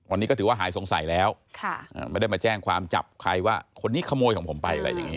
วันนี้ก็ถือว่าหายสงสัยแล้วไม่ได้มาแจ้งความจับใครว่าคนนี้ขโมยของผมไปอะไรอย่างนี้